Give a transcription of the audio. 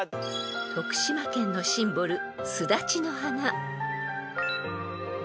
［徳島県のシンボルすだちの花］